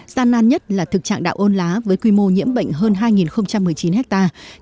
gian nan nhất là thực trạng đạo ôn lá với quy mô nhiễm bệnh hơn hai một mươi chín hectare